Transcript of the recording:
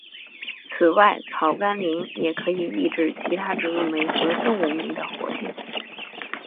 此外草甘膦也可以抑制其他植物酶和动物酶的活性。